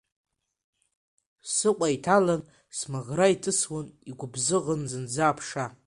Сыкәа иҭалан, смаӷра иҭысуан, игәыбзыӷын зынӡа аԥша.